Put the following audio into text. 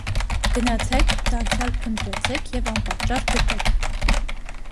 - Գնացե՛ք, դարձյալ փնտրեցե՛ք և անպատճառ գտեք: